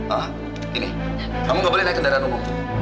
hah gini kamu gak boleh naik kendaraan umum